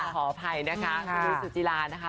ขออภัยนะคะคุณนุ้ยสุจิลานะคะ